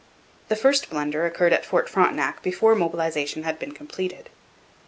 The first blunder occurred at Fort Frontenac before mobilization had been completed.